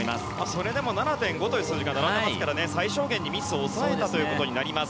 それでも７．５という数字が並んでいますから最小限にミスを抑えたということになります。